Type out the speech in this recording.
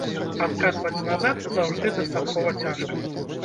Адкатваць назад заўжды дастаткова цяжка.